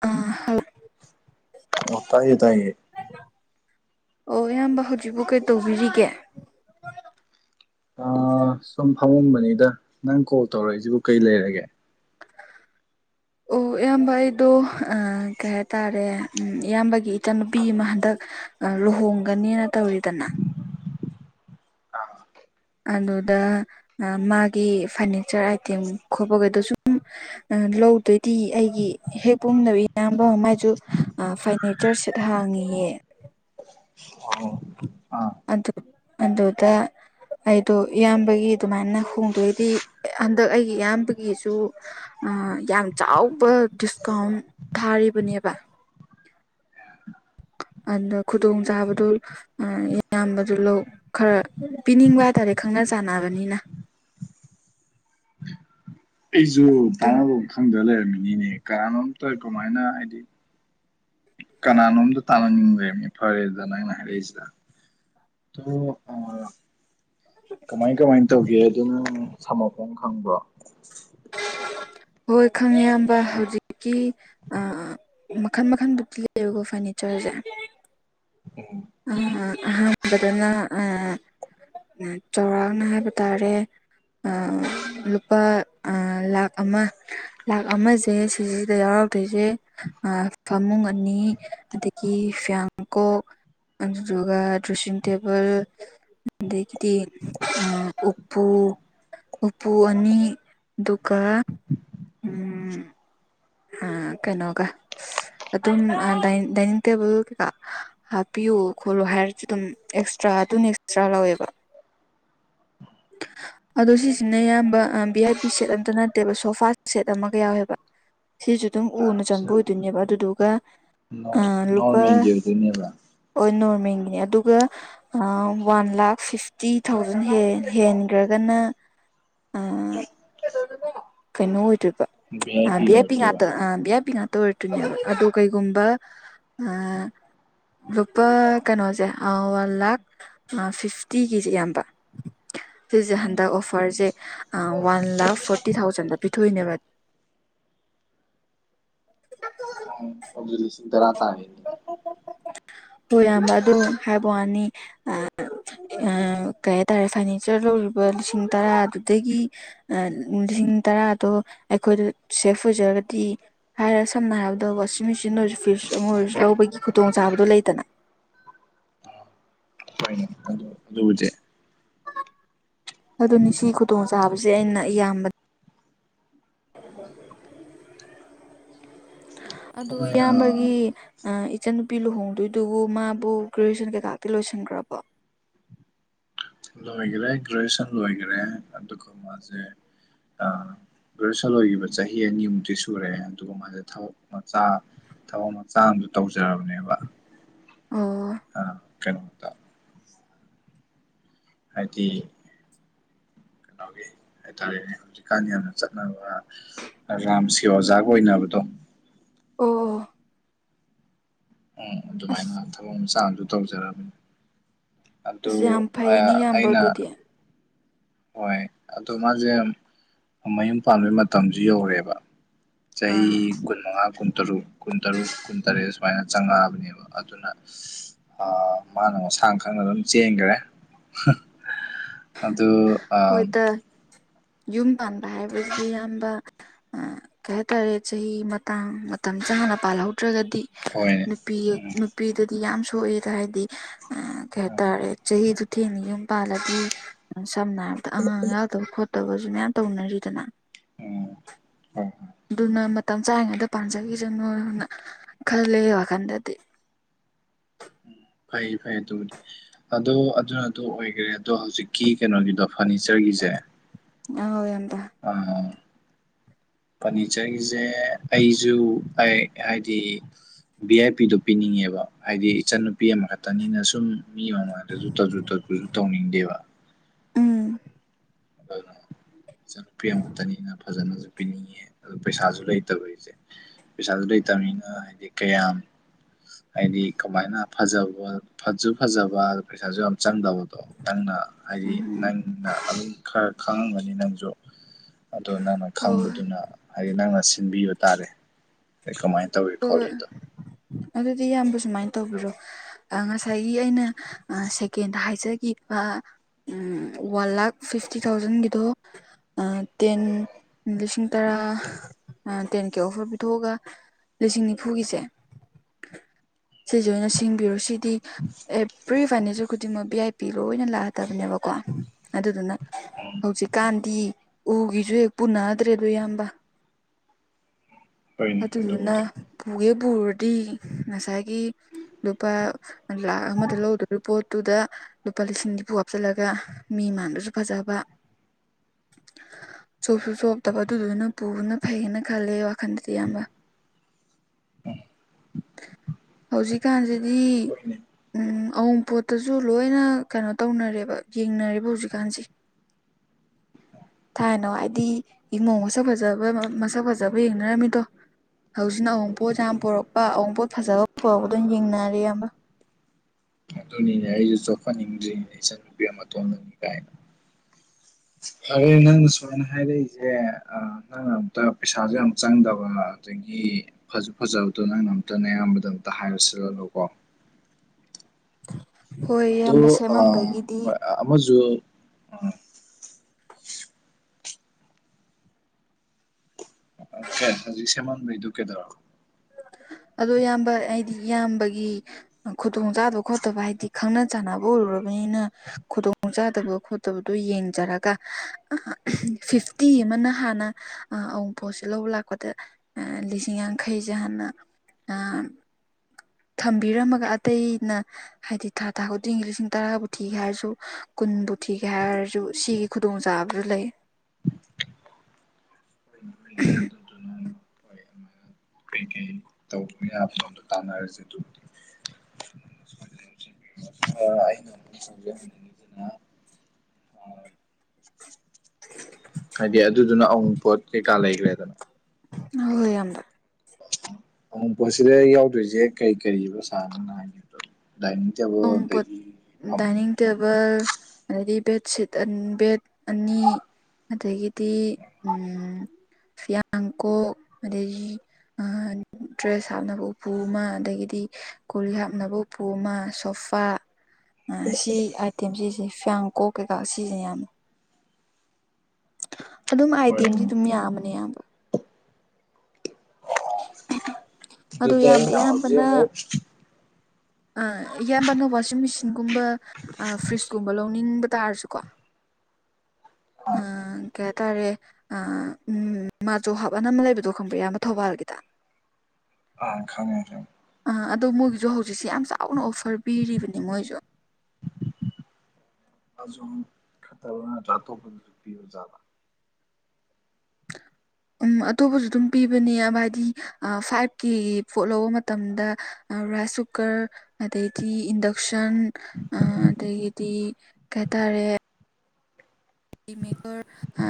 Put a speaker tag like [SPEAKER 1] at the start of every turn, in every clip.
[SPEAKER 1] ꯑ ꯍ‌ꯣꯏ [unintelligible]
[SPEAKER 2] ꯑꯣ ꯇꯥꯏꯌꯦ ꯇꯥꯏꯌꯦ
[SPEAKER 1] [unintelligible] ꯑꯣ ꯏꯌꯥꯝꯕ ꯍꯧꯖꯤꯛꯄꯨ ꯀꯩ ꯇꯧꯕꯤꯔꯤꯒꯦ
[SPEAKER 2] ꯑ ꯁꯨꯝ ꯐꯝꯃꯝꯕꯅꯤꯗ ꯅꯪ ꯀꯣꯜ ꯇꯧꯔꯛꯏꯁꯤꯕꯨ ꯀꯩ ꯂꯩꯔꯒꯦ
[SPEAKER 1] ꯑꯣ ꯏꯌꯥꯝꯕ ꯑꯩꯗꯣ ꯑ ꯀꯩ ꯍꯥꯏꯇꯥꯔꯦ ꯏꯌꯥꯝꯕꯒꯤ ꯏꯆꯟꯅꯨꯄꯤ ꯑꯃ ꯍꯟꯗꯛ ꯂꯨꯍꯣꯡꯒꯅꯤꯅ ꯇꯧꯔꯤꯗꯅ ꯑꯗꯨꯗ ꯃꯥꯒꯤ ꯐꯔꯅꯤꯆꯔ ꯑꯥꯏꯇꯦꯝ ꯈꯣꯠꯄꯒꯩꯗ‌ꯣ ꯁꯨꯝ ꯂꯧꯗꯣꯏꯗꯤ ꯑꯩꯒꯤ ꯍꯦꯛ ꯄ‌ꯣꯛꯃꯤꯟꯅꯕ ꯏꯌꯥꯝꯕ ꯑꯃ ꯃꯥꯏꯁꯨ ꯐꯔꯅꯤꯆꯔ ꯁꯤꯠ ꯍꯥꯡꯉꯤꯌ‌ꯦ
[SPEAKER 2] ꯑꯣ ꯑꯥ
[SPEAKER 1] ꯑꯗꯨ ꯑꯗꯨꯗ ꯑꯩꯗꯣ ꯏꯌꯥꯝꯕꯒꯤ ꯑꯗꯨꯃꯥꯏꯅ ꯍꯣꯡꯗꯣꯏꯗꯤ ꯍꯟꯗꯛ ꯑꯩꯒꯤ ꯏꯌꯥꯝꯕꯒꯤꯁꯨ ꯑ ꯌꯥꯝ ꯆꯥꯎꯕ ꯗꯤꯁꯀꯥꯎꯟ ꯊꯥꯔꯤꯕꯅꯦꯕ ꯑꯗ ꯈꯨꯗꯣꯡ ꯆꯥꯕꯗꯣ ꯑ ꯏꯌꯥꯝꯕꯗꯨ ꯂꯧ ꯈꯔ ꯄꯤꯅꯤꯡꯕ ꯍꯥꯏꯇꯥꯔꯦ ꯈꯪꯅ ꯆꯥꯟꯅꯕꯅꯤꯅ
[SPEAKER 2] ꯑꯩꯁꯨ
[SPEAKER 1] ꯑꯗꯨꯝ
[SPEAKER 2] ꯇꯥꯟꯅꯕꯝ ꯈꯪꯗꯗꯅ ꯂꯩꯔꯝꯃꯤꯅꯤꯅꯦ ꯀꯅꯥꯅꯣꯝꯇ ꯀꯃꯥꯏꯅ ꯍꯥꯏꯗꯤ ꯀꯅꯥꯅꯣꯝꯇ ꯇꯥꯟꯅꯅꯤꯡ [inaudible] ꯐꯔꯦꯗ ꯅꯪꯅ ꯍꯥꯏꯔꯛꯏꯁꯦ [inaudible] ꯁꯝꯃꯐꯣꯡ ꯈꯪꯕ꯭ꯔꯣ
[SPEAKER 1] ꯍꯣꯏ ꯈꯪꯉꯦ ꯏꯌꯥꯝꯕ ꯍꯧꯖꯤꯛꯀꯤ ꯑ ꯃꯈꯟ ꯃꯈꯟꯕꯨꯗꯤ ꯂꯩꯕꯀꯣ ꯐꯔꯅꯤꯆꯔꯁꯦ
[SPEAKER 2] ꯑꯣ
[SPEAKER 1] ꯑ ꯑꯍꯥꯟꯕꯗꯅ ꯑꯥ ꯆꯧꯔꯥꯛꯅ ꯍꯥꯏꯕ ꯇꯥꯔꯦ ꯑ ꯂꯨꯄꯥ ꯂꯥꯈ ꯑꯃ ꯂꯥꯛ ꯑꯃꯁꯦ ꯁꯤꯁꯤꯗ ꯌꯥꯎꯔꯛꯇꯣꯏꯁꯦ ꯐꯃꯨꯡ ꯑꯅꯤ ꯑꯗꯒꯤ ꯐꯤꯌꯥꯡꯀꯣꯛ ꯑꯗꯨꯗꯨꯒ ꯗ꯭ꯔꯦꯁꯤꯡ ꯇꯦꯕꯜ ꯑꯗꯒꯤ ꯑ ꯎꯞꯄꯨ ꯎꯄꯨ ꯑꯅꯤ ꯑꯗꯨꯒ ꯑ ꯀꯩꯅꯣꯒ ꯑꯗꯨꯝ ꯗꯥꯏꯅꯤꯡ ꯇꯦꯕꯜ ꯀꯩꯀꯥ ꯍꯥꯞꯄꯤꯌꯨ ꯈꯣꯠꯂꯨ ꯍꯥꯏꯔꯁꯨ ꯑꯗꯨꯝ ꯑꯦꯛꯁꯇ꯭ꯔꯥ ꯑꯗꯨꯅ ꯑꯦꯛꯁꯇ꯭ꯔꯥ ꯂꯧꯋꯦꯕ [inaudible] ꯑꯗꯣ ꯁꯤꯁꯤꯅ ꯏꯌꯥꯝꯕ ꯚꯤ ꯑꯥꯏ ꯄꯤ ꯁꯦꯠ ꯑꯝꯇ ꯅꯠꯇꯦꯕ ꯁꯣꯐꯥ ꯁꯦꯠ ꯑꯃꯒ ꯌꯥꯎꯋꯦꯕ ꯁꯤꯁꯨ ꯑꯗꯨꯝ ꯎꯅ ꯆꯟꯕ ꯑꯣꯏꯗꯣꯏꯅꯦꯕ ꯑꯗꯨꯗꯨꯒ
[SPEAKER 2] ꯅꯣꯟ [inaudible] ꯑꯣꯏꯗꯨꯏꯅꯦꯕ
[SPEAKER 1] ꯑꯣ ꯅꯣꯔꯃꯦꯟꯒꯤꯅꯦ ꯑꯗꯨꯒ ꯋꯥꯟ ꯂꯥꯈ ꯐꯤꯐꯇꯤ ꯊꯥꯎꯖꯟ ꯍꯦꯟ ꯍꯦꯟꯈ꯭ꯔꯒꯅ ꯑ ꯀꯩꯅꯣ ꯑꯣꯏꯗꯣꯏꯕ
[SPEAKER 2] ꯚꯤ ꯑꯥꯏ ꯄꯤ ꯑꯣꯏꯔꯛꯇꯣꯏꯕ
[SPEAKER 1] ꯑ ꯚꯤ ꯑꯥꯏ ꯄꯤ ꯉꯥꯛꯇ ꯑꯣꯏꯔꯛꯇꯣꯏꯅꯦꯕ ꯑꯗꯣ ꯀꯩꯒꯨꯝꯕ ꯑ ꯂꯨꯄꯥ ꯀꯩꯅꯣꯁꯦ ꯑ ꯋꯥꯟ ꯂꯥꯈ ꯑ ꯐꯤꯐꯇꯤꯒꯤꯁꯦ ꯏꯌꯥꯝꯕ ꯁꯤꯁꯦ ꯍꯟꯗꯛ ꯑꯣꯐꯔꯁꯦ ꯑ ꯋꯥꯟ ꯂꯥꯈ ꯐꯣꯔꯇꯤ ꯊꯥꯎꯖꯟꯗ ꯄꯤꯊꯣꯛꯏꯅꯦꯕ [inaudible]
[SPEAKER 2] ꯑꯗꯨꯗꯤ ꯂꯤꯁꯤꯡ ꯇꯔꯥ ꯇꯥꯔꯦꯅꯦ
[SPEAKER 1] ꯍꯣꯏ ꯏꯌꯥꯝꯕ ꯑꯗꯨ ꯍꯥꯏꯕ ꯋꯥꯅꯤ ꯑ ꯑ ꯀꯩ ꯍꯥꯏꯇꯥꯔꯦ ꯐꯔꯅꯤꯆꯔ ꯂꯧꯔꯤꯕ ꯂꯤꯁꯤꯡ ꯇꯔꯥꯗꯨꯗꯒꯤ ꯑ ꯂꯤꯁꯤꯡ ꯇꯔꯥꯗꯣ ꯑꯩꯈꯣꯏꯗ ꯁꯦꯐ ꯑꯣꯏꯖꯔꯒꯗꯤ ꯍꯥꯏꯔ ꯁꯝꯅ ꯍꯥꯏꯔꯕꯗ ꯋꯥꯁꯤꯡ ꯃꯦꯆꯤꯟ ꯑꯣꯏꯔꯁꯨ ꯐ꯭ꯔꯤꯖ ꯑꯃ ꯑꯣꯏꯔꯁꯨ ꯂꯧꯕꯒꯤ ꯈꯨꯗꯣꯡꯆꯥꯥꯕꯗꯣ ꯂꯩꯇꯅ
[SPEAKER 2] ꯍꯣꯏꯅꯦ ꯑꯗꯨ ꯑꯗꯨꯕꯨꯗꯤ
[SPEAKER 1] ꯑꯗꯨꯅꯦ ꯁꯤ ꯈꯨꯗꯣꯡ ꯆꯥꯕꯁꯦ ꯑꯩꯅ ꯏꯌꯥꯝꯕ ꯑꯗꯣ
[SPEAKER 2] ꯍꯣꯏ
[SPEAKER 1] ꯏꯌꯥꯝꯕꯒꯤ ꯏꯆꯟꯅꯨꯄꯤ ꯂꯨꯍꯣꯡꯗꯣꯏꯗꯨꯕꯨ ꯃꯥꯕꯨ ꯒ꯭ꯔꯦꯖꯨꯋꯦꯁꯟ ꯀꯩ ꯀꯥꯗꯤ ꯂꯣꯏꯁꯤꯟꯈ꯭ꯔꯕꯣ
[SPEAKER 2] ꯂꯣꯏꯒ꯭ꯔꯦ ꯒ꯭ꯔꯦꯖꯨꯋꯦꯁꯟ ꯂꯣꯏꯒ꯭ꯔꯦ ꯑꯗꯨꯒ ꯃꯥꯖꯦ ꯑ ꯒ꯭ꯔꯦꯖꯨꯋꯦꯁꯟ ꯂꯣꯏꯈꯤꯕ ꯆꯍꯤ ꯑꯅꯤꯃꯨꯛꯇꯤ ꯁꯨꯔꯛꯑꯦ ꯑꯗꯨꯒ ꯃꯥꯁꯦ ꯊꯕꯛ ꯃꯆꯥ ꯊꯕꯛ ꯃꯆꯥꯥ ꯑꯃꯁꯨ ꯇꯧꯖꯔꯕꯅꯦꯕ
[SPEAKER 1] ꯑꯣ
[SPEAKER 2] ꯑ ꯀꯩꯅꯣꯗ ꯍꯥꯏꯗꯤ ꯍꯥꯏꯇꯥꯔꯦꯅꯦ ꯍꯧꯖꯤꯛꯀꯥꯟꯒꯤ ꯌꯥꯝꯅ ꯆꯠꯅꯕ ꯔꯥꯝꯁꯀꯤ ꯑꯣꯖꯥꯒ ꯑꯣꯏꯅꯕꯗꯣ
[SPEAKER 1] ꯑꯣ
[SPEAKER 2] ꯎꯝ ꯑꯗꯨꯃꯥꯏꯅ
[SPEAKER 1] ꯑꯁ
[SPEAKER 2] ꯊꯕꯛ ꯃꯆꯥ ꯑꯃꯁꯨ ꯇꯧꯖꯔꯝꯅꯤ ꯑꯗꯨ
[SPEAKER 1] ꯑꯁ ꯌꯥꯝ
[SPEAKER 2] ꯑ
[SPEAKER 1] ꯐꯩꯅꯦ ꯏꯌꯥꯝꯕ
[SPEAKER 2] ꯑꯩꯅ
[SPEAKER 1] ꯑꯗꯨꯗꯤ
[SPEAKER 2] ꯍꯣꯏ ꯑꯗꯣ ꯃꯥꯁꯦ ꯃꯌꯨꯝ ꯄꯥꯟꯕꯩ ꯃꯇꯝꯁꯨ ꯌꯧꯔꯦꯕ ꯆꯍꯤ
[SPEAKER 1] ꯑꯥ
[SPEAKER 2] ꯀꯨꯟꯃꯉꯥ ꯀꯨꯟꯇꯔꯨꯛ ꯀꯨꯟ ꯇꯔꯨꯛ ꯀꯨꯟꯇꯔꯦꯠ ꯁꯨꯃꯥꯏꯅ ꯆꯪꯉꯛꯑꯕꯅꯦꯕ ꯑꯗꯨꯅ ꯃꯥꯅ ꯃꯁꯥ ꯈꯪꯅ ꯑꯗꯨꯝ ꯆꯦꯟꯈꯔꯦ ꯑꯗꯨ ꯑꯝ
[SPEAKER 1] ꯍꯣꯏꯗ ꯌꯨꯝ ꯄꯥꯟꯕ ꯍꯥꯏꯕꯁꯤꯗꯤ ꯏꯌꯥꯝꯕ ꯀꯩ ꯍꯥꯏꯇꯥꯔꯦ ꯆꯍꯤ ꯃꯇꯥꯡ ꯃꯇꯝ ꯆꯥꯅ ꯄꯥꯜꯍꯧꯗ꯭ꯔꯒꯗꯤ
[SPEAKER 2] ꯍꯣꯏꯅꯦ
[SPEAKER 1] ꯅꯨꯄꯤ
[SPEAKER 2] ꯎꯝ
[SPEAKER 1] ꯅꯨꯄꯤꯗꯗꯤ ꯌꯥꯝ ꯁꯣꯏꯌꯦꯗ ꯍꯥꯏꯗꯤ ꯀꯩ ꯍꯥꯏꯇꯥꯔꯦ ꯆꯍꯤꯗꯨ ꯊꯦꯡꯅ ꯌꯨꯝ ꯄꯥꯜꯂꯗꯤ ꯁꯝꯅ ꯍꯥꯏꯔꯕꯗ ꯑꯉꯥꯡ ꯌꯥꯎ ꯐꯠꯇꯕ ꯈꯣꯠꯇꯕꯁꯨ ꯃꯌꯥꯝ ꯇꯧꯅꯔꯤꯗꯅ
[SPEAKER 2] ꯎꯝ ꯍ ꯍ
[SPEAKER 1] ꯑꯗꯨꯅ ꯃꯇꯝ ꯆꯥꯔꯤꯉꯩꯗ ꯄꯥꯟꯖꯈꯤꯁꯅꯨꯅ ꯈꯜꯂꯦ ꯑꯩ ꯋꯥꯈꯟꯗꯗꯤ
[SPEAKER 2] ꯐ ꯐꯩ ꯑꯗꯨꯕꯨꯗꯤ ꯑꯗꯣ ꯑꯗꯨꯅꯗꯣ ꯑꯣꯏꯒꯔꯦ ꯑꯗꯣ ꯍꯧꯖꯤꯛꯀꯤ ꯀꯩꯅꯣꯒꯤꯗꯣ ꯐꯔꯅꯤꯆꯔꯒꯤꯁꯦ
[SPEAKER 1] ꯅꯪ [unintelligible]
[SPEAKER 2] ꯑ ꯐꯔꯅꯤꯆꯔꯒꯤꯁꯦ ꯑꯩꯁꯨ ꯚꯥꯏ ꯍꯥꯏꯗꯤ ꯚꯤ ꯑꯥꯏ ꯄꯤꯗꯣ ꯄꯤꯅꯤꯡꯉꯦꯕ ꯍꯥꯏꯗꯤ ꯏꯆꯟ ꯅꯨꯨꯄꯤ ꯑꯃꯈꯛꯇꯅꯤꯅ ꯁꯨꯝ ꯃꯤ ꯃꯃꯥꯡꯗꯁꯨ ꯇꯥꯖꯣꯞ ꯇꯖꯣꯞ ꯇꯧꯅꯤꯡꯗꯦꯕ
[SPEAKER 1] ꯎꯝ
[SPEAKER 2] ꯏꯆꯥꯟ ꯅꯨꯨꯄꯤ ꯑꯃꯈꯥꯛꯇꯅꯤꯅ ꯐꯖꯅ ꯄꯤꯅꯤꯡꯉꯦ ꯑꯗꯣ ꯄꯩꯁꯥꯁꯨ ꯂꯩꯇꯕ ꯑꯩꯁꯦ ꯄꯩꯁꯥꯁꯨ ꯂꯩꯇꯝꯅꯤꯅ ꯍꯥꯏꯗꯤ ꯀꯌꯥꯝ ꯍꯥꯏꯗꯤ ꯀꯃꯥꯏꯅ ꯐꯖꯕ ꯐꯖꯨ ꯐꯖꯕ ꯄꯩꯁꯥꯁꯨ ꯌꯥꯝ ꯆꯪꯗꯕꯗꯣ ꯅꯪꯅ ꯍꯥꯏꯗꯤ
[SPEAKER 1] ꯎꯝ
[SPEAKER 2] ꯅꯪꯅ ꯑꯗꯨꯝ ꯈꯔ ꯈꯪꯉꯝꯒꯅꯤ ꯅꯪꯁꯨ ꯑꯗꯣ ꯅꯪꯅ
[SPEAKER 1] ꯍꯣꯏ
[SPEAKER 2] ꯈꯪꯕꯗꯨꯅ ꯍꯥꯏꯗꯤ ꯅꯪꯅ ꯁꯤꯟꯕꯤꯕ ꯇꯥꯔꯦ ꯑꯦ ꯀꯃꯥꯏ ꯇꯧꯏ
[SPEAKER 1] ꯍꯣꯏ ꯍꯣꯏ
[SPEAKER 2] ꯈꯣꯠꯂꯤꯗꯣ
[SPEAKER 1] ꯑꯗꯨꯗꯤ ꯏꯌꯥꯝꯕ ꯁꯨꯃꯥꯏ ꯇꯧꯕꯤꯔꯣ ꯑ ꯉꯁꯥꯏꯒꯤ ꯑꯩꯅ ꯁꯦꯀꯦꯟꯗ ꯍꯥꯏꯖꯒꯤꯕ ꯎꯝ ꯋꯥꯟ ꯂꯥꯛ ꯐꯤꯐꯇꯤ ꯊꯥꯎꯖꯟꯒꯤꯗꯣ ꯑ ꯇꯦꯟ ꯂꯤꯁꯤꯡ ꯇꯔꯥ ꯑ ꯇꯦꯟ ꯀꯦ ꯑꯣꯐꯔ ꯊꯣꯛꯑꯥꯒ ꯂꯤꯁꯤꯡ ꯅꯤꯐꯨꯒꯤꯁꯦ ꯁꯤꯁꯦ ꯑꯣꯏꯅ ꯁꯤꯡꯕꯤꯔꯣ ꯁꯤ ꯗꯤ ꯑꯦꯕꯔꯤ ꯐꯔꯅꯤꯆꯔ ꯈꯨꯗꯤꯡꯃꯛ ꯕꯤ ꯑꯥꯏ ꯄꯤ ꯂꯣꯏꯅ ꯂꯥꯛꯑꯗꯕꯅꯦꯕꯀꯣ ꯑꯗꯨꯗꯨꯅ
[SPEAKER 2] [inaudible]
[SPEAKER 1] ꯍꯧꯖꯤꯛꯀꯥꯟꯗꯤ ꯎꯒꯤꯁꯨ ꯍꯦꯛ ꯄꯨꯅꯗ꯭ꯔꯦꯗꯣ ꯏꯌꯥꯝꯕ
[SPEAKER 2] ꯍꯣꯏꯅꯦ
[SPEAKER 1] ꯑꯗꯨꯗꯨꯅ
[SPEAKER 2] ꯑꯗꯨꯕꯨꯗꯤ
[SPEAKER 1] ꯄꯨꯒꯦ ꯄꯨꯔꯗꯤ ꯉꯁꯥꯏꯒꯤ ꯂꯨꯄꯥ ꯂꯥꯛ ꯑꯃꯗꯣ ꯂꯧꯗꯕꯩ ꯄꯣꯠꯇꯨꯗ ꯂꯨꯄꯥ ꯂꯤꯁꯤꯡ ꯅꯤꯐꯨ ꯍꯥꯞꯆꯤꯜꯂꯒ ꯃꯤ ꯃꯥꯡꯗꯁꯨ ꯐꯖꯕ ꯆꯣꯞꯁꯨ ꯆꯣꯞꯇꯕ ꯑꯗꯨꯗꯨꯅ ꯄꯨꯕꯅ ꯐꯩꯌꯦꯅ ꯈꯜꯂꯦ ꯋꯥꯈꯟ ꯀꯩꯌꯝꯅ ꯍꯧꯖꯤꯛꯀꯥꯟꯁꯤꯗꯤ
[SPEAKER 2] ꯍꯣꯏꯅꯦ
[SPEAKER 1] ꯎꯝ ꯑꯎꯟꯄꯣꯠꯇꯁꯨ ꯂꯣꯏꯅ ꯀꯩꯅꯣ ꯇꯧꯅꯔꯦꯕ ꯌꯦꯡꯅꯔꯦꯕ ꯍꯧꯖꯤꯛꯀꯥꯟꯁꯦ꯫ [inaudible] ꯊꯥꯏꯅ ꯍꯥꯏꯗꯤ ꯏꯃꯣ ꯃꯁꯛ ꯐꯖꯕ ꯃꯁꯛ ꯐꯖꯕ ꯌꯦꯡꯅꯔꯝꯃꯤ ꯑꯣ ꯍꯧꯖꯤꯛꯅ ꯑꯎꯣꯡꯄꯣꯠꯁ ꯌꯥꯝ ꯄꯣꯔꯛꯄ ꯑꯋꯣꯡꯄꯣꯠ ꯐꯖꯕ ꯄꯣꯔꯛꯄ ꯑꯗꯨꯝ ꯌꯦꯡꯅꯔꯦ ꯏꯌꯝꯕ꯫
[SPEAKER 2] ꯑꯗꯨꯅꯤꯅꯦ ꯑꯩꯁꯨ ꯆꯣꯞꯐꯟꯅꯤꯡꯗ꯭ꯔꯤꯅꯦ ꯏꯆꯟ ꯅꯨꯨꯄꯤ ꯑꯃ ꯃꯇꯣꯝꯗꯅꯤ ꯀꯥꯏꯅ꯫ ꯑ ꯅꯪꯅ ꯁꯅ ꯍꯥꯏꯔꯛꯏꯁꯦ ꯑꯥ ꯅꯪꯅ ꯑꯝꯇ ꯄꯩꯁꯥꯁꯨ ꯌꯥꯝ ꯆꯪꯗꯕ ꯑꯗꯒꯤ ꯐꯖ ꯐꯖꯕꯗꯣ ꯅꯪꯅ ꯑꯝꯇꯅ ꯑꯌꯥꯝꯕꯗ ꯑꯝꯇ ꯍꯥꯏꯔꯨꯁꯤꯜꯂꯂꯨ ꯀꯣ꯫
[SPEAKER 1] ꯍꯣꯏ
[SPEAKER 2] ꯑꯗꯣ
[SPEAKER 1] ꯏꯌꯥꯝꯕ ꯁꯦꯝꯃꯝꯕꯒꯤꯗꯤ
[SPEAKER 2] ꯑ ꯑꯃꯁꯨ ꯑ, ꯀ ꯍꯧꯖꯤꯛ ꯁꯦꯃꯟꯕꯩꯗꯨ ꯀꯩꯗꯧꯔꯕ꯫
[SPEAKER 1] ꯑꯗꯣ ꯏꯌꯥꯝꯕ ꯑꯩꯗꯤ ꯏꯌꯥꯝꯕꯒꯤ ꯈꯨꯗꯣꯡ ꯆꯥꯗꯕ ꯈꯣꯠꯇꯕ ꯍꯥꯏꯗꯤ ꯈꯪꯅ ꯆꯥꯟꯅꯕ ꯑꯣꯏꯔꯨꯔꯕꯅꯤꯅ ꯈꯨꯗꯣꯡꯆꯥꯥꯗꯕ ꯈꯣꯠꯇꯕꯗꯣ ꯌꯦꯡꯖꯔꯒ ꯐꯤꯐꯇꯤ ꯑꯃꯅ ꯍꯥꯟꯅ ꯑ ꯑꯎꯅꯄꯣꯠꯁꯦ ꯂꯧꯕ ꯂꯥꯛꯄꯗ ꯂꯤꯁꯤꯡ ꯌꯥꯡꯈꯩꯁꯦ ꯍꯥꯟꯅ ꯑꯥ ꯊꯝꯕꯤꯔꯝꯃꯒ ꯑꯇꯩꯅ ꯍꯥꯏꯗꯤ ꯊꯥ ꯊꯥ ꯈꯨꯗꯤꯒꯤ ꯂꯤꯁꯤꯡ ꯇꯔꯥꯕꯨ ꯊꯤꯒꯦ ꯍꯥꯏꯔꯁꯨ ꯀꯨꯟꯕꯨ ꯊꯤꯒꯦ ꯍꯥꯏꯔꯁꯨ ꯁꯤ ꯈꯨꯗꯣꯡꯆꯥꯥꯕꯗꯨ ꯂꯩ
[SPEAKER 2] ꯍꯣꯏꯅꯦ
[SPEAKER 1] [unintelligible]
[SPEAKER 2] ꯀꯩꯒꯤ꯫ ꯇꯧꯕ ꯌꯥꯕꯉꯣꯟꯗ ꯇꯥꯟꯅꯔꯁꯦ ꯑꯗꯨ꯫ [unintelligible]
[SPEAKER 1] [unintelligible]
[SPEAKER 2] ꯍꯥꯏꯗꯤ ꯑꯗꯨ ꯑꯗꯨꯅ ꯑꯎꯟꯄꯣꯠ ꯀꯩꯀꯥ ꯂꯩꯈ꯭ꯔꯦꯗꯅ꯫
[SPEAKER 1] [unintelligible] ꯌꯥꯝꯅ
[SPEAKER 2] ꯑꯎꯟꯄꯣꯠꯁꯤꯗ ꯌꯥꯎꯗꯣꯏꯔꯤꯁꯦ ꯀꯔꯤ ꯀꯔꯤ [unintelligible] ꯗꯥꯏꯅꯤꯡ ꯇꯦꯕꯜ
[SPEAKER 1] ꯑꯎꯟꯄꯣꯠ
[SPEAKER 2] ꯑꯗꯒꯤ ꯐꯃꯨꯡ꯫
[SPEAKER 1] ꯗꯥꯏꯅꯤꯡ ꯇꯦꯕꯜ ꯑꯗꯒꯤ ꯕꯦꯠꯁꯤꯠ ꯕꯦꯠ ꯑꯅꯤ꯫ ꯑꯗꯒꯤꯗꯤ ꯐꯤꯌꯥꯡꯀꯣꯛ ꯑꯗꯒꯤ ꯑ ꯗ꯭ꯔꯦꯁ ꯍꯥꯞꯅꯕ ꯎꯄꯨ ꯑꯃ ꯑꯗꯒꯤꯗꯤ ꯀꯣꯂꯤꯛ ꯍꯥꯞꯅꯕ ꯎꯄꯨ ꯑꯃ꯫ ꯁꯣꯐꯥ ꯁꯤ ꯑꯥꯏꯇꯦꯝꯁꯤꯁꯦ ꯐ꯭ꯌꯥꯡ ꯀꯣꯛ ꯀꯩꯀꯥ ꯁꯤꯁꯦ ꯌꯥꯝ ꯑꯗꯨꯝ
[SPEAKER 2] ꯍꯣꯏ
[SPEAKER 1] ꯑꯥꯏꯇꯦꯝꯗꯤ ꯑꯗꯨꯝ
[SPEAKER 2] ꯑꯗꯨꯗꯤ
[SPEAKER 1] ꯌꯥꯝꯕꯅꯦ ꯌꯥꯝꯅ꯫ ꯑꯗꯨ
[SPEAKER 2] ꯑꯗꯨꯗ
[SPEAKER 1] ꯏꯌꯥꯝꯕ
[SPEAKER 2] ꯍꯧꯖꯤꯛ ꯑꯃꯨꯛ
[SPEAKER 1] ꯑ ꯏꯌꯥꯝꯕꯅ ꯋꯥꯁꯤꯡ ꯃꯦꯁꯤꯟꯒꯨꯝꯕ ꯐ꯭ꯔꯤꯖꯀꯨꯝꯕ ꯂꯧꯅꯤꯡꯕ ꯇꯥꯔꯁꯨꯀꯣ꯫ ꯑ ꯀꯩ ꯍꯥꯏ ꯇꯥꯔꯦ ꯑ ꯎꯝ ꯃꯥꯖꯣ ꯍꯥꯞ ꯑꯅꯥ ꯑꯃ ꯂꯩꯕꯗꯣ ꯈꯪꯕ ꯏꯌꯥꯝꯕ ꯊꯧꯕꯥꯜꯒꯤꯗ꯫
[SPEAKER 2] ꯑ ꯈꯪꯉꯦ ꯑꯗꯨ꯫
[SPEAKER 1] ꯑꯥ ꯑꯗꯣ ꯃꯣꯏꯒꯤꯁꯨ ꯍꯧꯖꯤꯛꯁꯦ ꯌꯥꯝ ꯆꯥꯎꯅ ꯑꯣꯐꯔ ꯄꯤꯔꯤꯕꯅꯤ ꯃꯣꯏꯁꯨ꯫
[SPEAKER 2] ꯃꯥꯖꯣ ꯍꯥꯞ ꯈꯠꯇꯕ ꯅꯠꯇ꯭ꯔꯥ ꯑꯇꯣꯞꯄꯗꯁꯨ ꯄꯤꯗ ꯖꯥꯠꯂ꯫
[SPEAKER 1] ꯎꯝ ꯑꯇꯣꯞꯄꯁꯨ ꯑꯗꯨꯝ ꯄꯤꯕꯅꯦ꯫ [unintelligible] ꯐꯥꯏꯚ ꯀꯦ ꯄꯣꯠ ꯂꯧꯕ ꯃꯇꯝꯗ ꯔꯥꯏꯁ ꯀꯨꯀꯔ ꯑꯗꯩꯗꯤ ꯏꯟꯗꯛ ꯁꯟ ꯑꯥ ꯑꯗꯒꯤꯗꯤ ꯀꯩ ꯍꯥꯏꯇꯥꯔꯦ꯫ ꯇꯤ ꯃꯦꯀꯔ ꯑ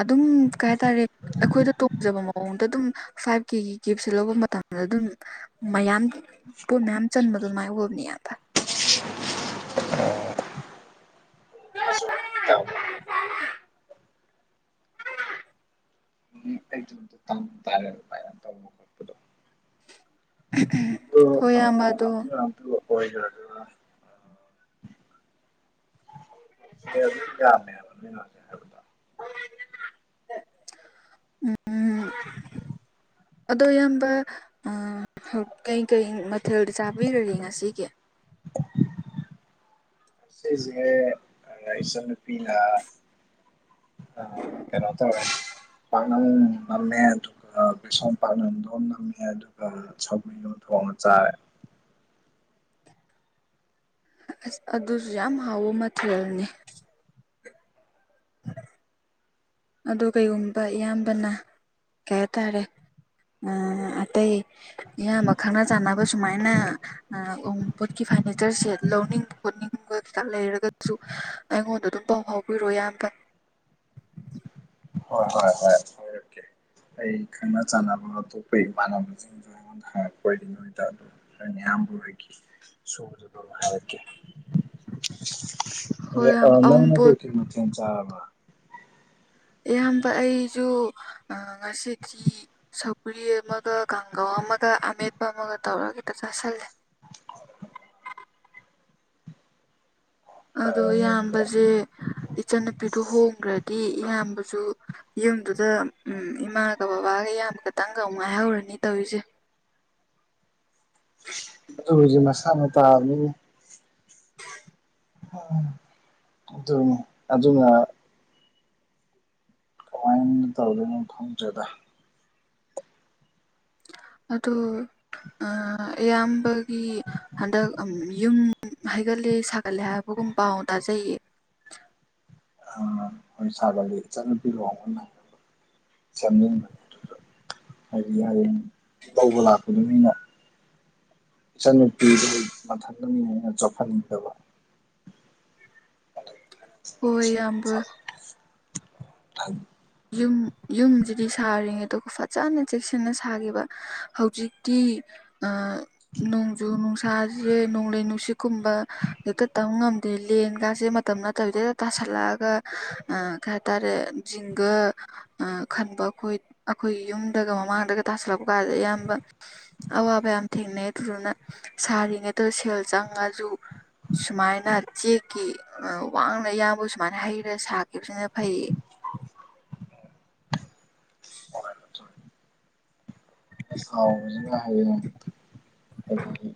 [SPEAKER 1] ꯑꯗꯨꯝ ꯀꯩ ꯍꯥꯏꯇꯥꯔꯦ ꯑꯩꯈꯣꯏꯗ ꯇꯣꯡꯖꯕ ꯃꯑꯣꯡꯗ ꯑꯗꯨꯝ ꯐꯥꯏꯚ ꯀꯦꯒꯤ ꯀꯦꯞꯁꯦ ꯂꯧꯕ ꯃꯇꯝꯗ ꯑꯗꯨꯝ ꯃꯌꯥꯝ ꯄꯣꯠ ꯃꯌꯥꯝ ꯆꯟꯕꯗꯨ ꯑꯗꯨꯃꯥꯏꯟ ꯑꯣꯏꯕꯅꯤ ꯏꯌꯥꯝꯕ
[SPEAKER 2] [unintelligible]
[SPEAKER 1] [unintelligible]
[SPEAKER 2] ꯎꯝ ꯑꯩ ꯇꯝ ꯇꯥꯔꯦ [unintelligible] ꯈꯣꯠꯄꯗꯣ
[SPEAKER 1] ꯍꯣꯏ ꯏꯌꯥꯝꯕ ꯑꯗꯨ
[SPEAKER 2] ꯑꯣꯏꯔ ꯑꯗꯨꯒ ꯁꯦꯟꯗꯨ ꯌꯥꯝꯃꯦꯕ ꯑꯗꯨꯅ
[SPEAKER 1] ꯎꯝ ꯑꯗꯣ ꯏꯌꯥꯝꯕ ꯑꯥ ꯀꯩꯀꯩ ꯃꯊꯦꯜꯗꯤ ꯆꯥꯕꯤꯔꯒꯦ ꯉꯁꯤꯒꯤ
[SPEAKER 2] ꯉꯁꯤꯁꯦ ꯏꯆꯟ ꯅꯨꯄꯤꯅ ꯑꯥ ꯀꯩꯅꯣ ꯇꯧꯔꯦ ꯄꯥꯛꯅꯝ ꯑꯝ ꯅꯝꯃꯦ ꯑꯗꯨ ꯑꯥ ꯕꯦꯁꯣꯟ ꯄꯥꯛꯅꯞꯗꯣ ꯅꯝꯃꯦ ꯑꯗꯨꯒ ꯁꯧꯒ꯭ꯔꯤ ꯑꯝ ꯊꯣꯡꯉ ꯆꯥꯔꯦ
[SPEAKER 1] ꯑꯁ ꯑꯗꯨꯁꯨ ꯌꯥꯝ ꯍꯥꯎꯕ ꯃꯊꯦꯜꯅꯤ ꯎꯝ ꯑꯗꯨ ꯀꯩꯒꯨꯝꯕ ꯏꯌꯥꯝꯕꯅ ꯀꯩ ꯍꯥꯏꯇꯥꯔꯦ ꯑꯥ ꯑꯇꯩ ꯏꯌꯥꯝꯕ ꯈꯪꯅ ꯆꯥꯟꯅꯕ ꯁꯨꯃꯥꯏꯅ ꯑꯏ ꯎꯄꯣꯠꯀꯤ ꯐꯥꯔꯅꯤꯆꯔ ꯁꯦꯠ ꯂꯧꯅꯤꯡ ꯈꯣꯠꯅꯤꯡꯕ ꯀꯩꯀꯥ ꯂꯩꯔꯒꯁꯨ ꯑꯩꯉꯣꯟꯗ ꯑꯗꯨꯝ ꯄꯥꯎ ꯐꯥꯎꯕꯤꯔꯣꯑꯣ ꯏꯌꯥꯝꯕ
[SPEAKER 2] ꯍꯣꯏ ꯍꯣꯏ ꯍꯥꯏꯔꯛꯀꯦ ꯑꯩ ꯈꯪꯅ ꯆꯥꯟꯅꯕ ꯑꯇꯣꯞꯄ ꯏꯃꯥꯟꯅꯕꯁꯤꯡꯁꯨ ꯑꯩꯉꯣꯟꯗ ꯍꯥꯏꯔꯛꯄ ꯑꯣꯏꯗꯤ ꯅꯣꯏꯗ ꯑꯗꯨꯝ ꯅꯣꯏ ꯅꯌꯥꯝꯕ ꯍꯣꯏꯒꯤꯗꯒꯤꯁꯨ ꯑꯗꯨꯝ ꯍꯥꯏꯔꯛꯀꯦ
[SPEAKER 1] ꯍꯣꯏ ꯏꯌꯥꯝꯕ
[SPEAKER 2] ꯑꯥ ꯅꯪꯅ ꯀꯩ
[SPEAKER 1] ꯑꯎꯟꯄꯣꯠ
[SPEAKER 2] ꯀꯩ ꯃꯊꯦꯜ ꯆꯥꯔꯕ
[SPEAKER 1] ꯏꯌꯥꯝꯕ ꯑꯩꯁꯨ ꯑꯥ ꯉꯁꯤꯗꯤ ꯁꯧꯒ꯭ꯔꯤ ꯑꯃꯒ ꯀꯥꯡꯒꯧ ꯑꯃꯒ ꯑꯃꯦꯠꯄ ꯑꯃꯒ ꯇꯧꯔꯒ ꯍꯦꯛꯇ ꯆꯥꯥꯁꯤꯜꯂꯦ ꯑꯗꯣ ꯏꯌꯥꯝꯕꯁꯦ ꯏꯆꯟ ꯅꯨꯄꯤꯗꯣ ꯍꯣꯡꯈ꯭ꯔꯗꯤ ꯏꯌꯥꯝꯕꯁꯨ ꯌꯨꯝꯗꯨꯗ ꯎꯝ ꯏꯃꯥꯒ ꯕꯕꯥꯒ ꯏꯌꯥꯝꯕ ꯈꯇꯪꯒ ꯉꯥꯏꯍꯧꯔꯅꯤ ꯇꯧꯔꯤꯁꯦ [inaudible]
[SPEAKER 2] ꯑꯗꯨꯕꯨꯗꯤ ꯃꯁꯥꯅ ꯇꯥꯕꯅꯤꯅꯦ ꯑꯗꯨꯅꯤ ꯑꯗꯨꯅ ꯀꯃꯥꯏꯟ ꯇꯧꯗꯨꯏꯅꯣ ꯈꯪꯗ꯭ꯔꯦꯗ
[SPEAKER 1] ꯑꯗꯨ ꯑꯥ ꯏꯌꯥꯝꯕꯒꯤ ꯍꯟꯗꯛ ꯌꯨꯝ ꯍꯩꯒꯠꯂꯦ ꯁꯥꯒꯠꯂꯦ ꯍꯥꯏꯕꯒꯨꯝ ꯄꯥꯎ ꯇꯥꯖꯩꯌꯦ
[SPEAKER 2] ꯑꯥ ꯍꯣꯏ ꯁꯥꯒꯠꯂꯦ ꯏꯆꯟ ꯅꯨꯄꯤ ꯂꯨꯍꯣꯡꯕ ꯅꯡ ꯆꯞ ꯍꯥꯏꯗꯤ [unintelligible] ꯂꯧꯕ ꯂꯥꯛꯄ ꯃꯤꯅ ꯏꯆꯟ ꯅꯨꯄꯤꯗꯨ ꯃꯊꯟꯗꯅꯤꯅ ꯑꯩꯅ ꯆꯣꯞꯍꯟꯅꯤꯡꯗꯕ
[SPEAKER 1] ꯍꯣꯏ ꯏꯌꯥꯝꯕ
[SPEAKER 2] [unintelligible]
[SPEAKER 1] ꯌꯨꯝ ꯌꯨꯝꯁꯤꯗꯤ ꯁꯥꯔꯤꯉꯩꯗꯨ ꯐꯥꯖꯅ ꯆꯦꯛꯁꯤꯟꯅ ꯁꯥꯒꯤꯕ ꯍꯧꯖꯤꯛꯇꯤ ꯑꯥ ꯅꯣꯡꯖꯨ ꯅꯨꯡꯁꯥꯁꯦ ꯅꯣꯡꯂꯩ ꯅꯨꯡꯁꯤꯠꯀꯨꯝꯕ ꯍꯦꯛꯇ ꯇꯝꯕ ꯉꯝꯗꯦ ꯂꯦꯟꯒꯥꯁꯦ ꯃꯇꯝ ꯅꯠꯇꯕꯤꯗ ꯇꯥꯁꯜꯂꯛꯑꯒ ꯑꯥ ꯀꯩ ꯍꯥꯏꯇꯥꯔꯦ ꯖꯤꯡ ꯒ ꯑꯥ ꯈꯟꯕ ꯑꯩꯈꯣꯏ ꯑꯩꯈꯣꯏꯒꯤ ꯌꯨꯝꯗꯒ ꯃꯃꯥꯡꯗꯒ ꯇꯥꯁꯜꯂꯛꯄ ꯀꯥꯟꯁꯦ ꯏꯌꯥꯝꯕ ꯑꯋꯥꯕ ꯌꯥꯝ ꯊꯦꯡꯅꯩ ꯑꯗꯨꯗꯨꯅ ꯁꯥꯔꯤꯉꯩꯗ ꯁꯦꯜ ꯆꯪꯉꯁꯨ ꯁꯨꯃꯥꯏꯅ ꯆꯦꯛꯀꯤ ꯑꯥ ꯋꯥꯡꯅ ꯏꯌꯥꯝꯕ ꯁꯨꯃꯥꯏꯅ ꯍꯩꯔꯒ ꯁꯥꯈꯤꯕꯁꯤꯅ ꯐꯩꯌꯦ
[SPEAKER 2] ꯁꯥꯍꯧꯕꯅꯤꯅ ꯍꯥꯌꯦꯡ ꯍꯥꯏꯗꯤ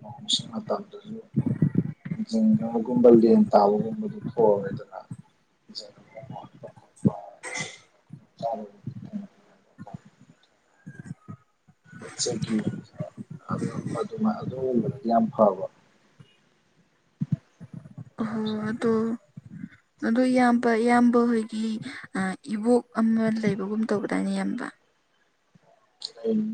[SPEAKER 2] ꯅꯣꯡ ꯁꯤꯡ ꯃꯇꯝ ꯑꯗꯥꯒꯤ ꯖꯤꯡꯒꯒꯨꯝꯕ ꯂꯦꯟ ꯇꯥꯕꯒꯨꯝꯕꯗꯨ ꯊꯣꯛꯑꯔꯣꯏꯗꯅ [unintelligible]
[SPEAKER 1] [unintelligible]
[SPEAKER 2] [unintelligible]
[SPEAKER 1] [unintelligible]
[SPEAKER 2] ꯆꯦꯡꯀꯤ ꯑꯗꯣ ꯑꯗꯨ ꯑꯗꯨꯒꯨꯝꯕꯗꯗꯤ ꯌꯥꯝ ꯐꯕ
[SPEAKER 1] ꯑꯣꯍꯣ ꯑꯗꯣ ꯑꯗꯣ ꯏꯌꯥꯝꯕ ꯏꯌꯥꯝꯕ ꯍꯣꯏꯒꯤ ꯑ ꯏꯕꯣꯛ ꯑꯃ ꯂꯩꯕꯒꯨꯝ ꯇꯧꯕꯗꯥꯏꯅꯦ ꯌꯥꯝꯕ
[SPEAKER 2] [unintelligible]